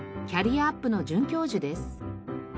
キャリアアップの准教授です。